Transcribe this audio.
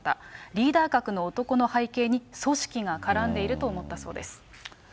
リーダー格の男の背景に、組織が絡んでいると思ったそうです。